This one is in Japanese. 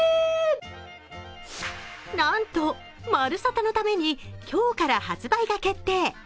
なんと、「まるサタ」のために今日から発売が決定。